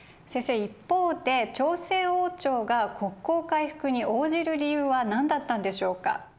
一方で朝鮮王朝が国交回復に応じる理由は何だったんでしょうか。